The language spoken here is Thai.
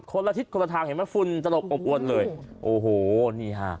คนละทิศคนละทางเห็นมั้ยฟุนจรบอบอวดเลยโอ้โหนี่ฮะ